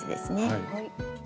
はい。